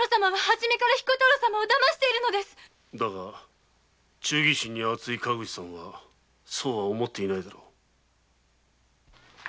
だが忠義心の厚い川口さんはそうは思っていないだろう。